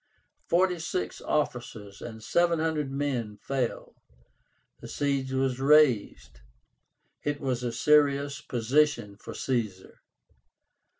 Forty six officers and seven hundred men fell. The siege was raised. It was a serious position for Caesar.